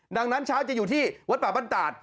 ดังนั้นเช้าจะอยู่ที่วัดประบัติตราศ